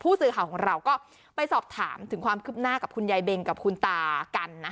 สื่อข่าวของเราก็ไปสอบถามถึงความคืบหน้ากับคุณยายเบงกับคุณตากันนะ